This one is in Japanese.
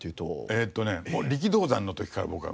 えっとね力道山の時から僕は見てます。